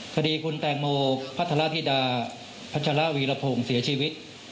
คดีคุณแตงโมพัทรธิดาพัชระวีรพงศ์เสียชีวิต